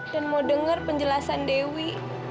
dan mau dengar penjelasan dewi